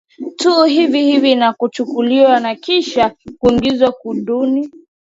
tu hivi hivi na kuchukuliwa na kisha kuingizwa kundini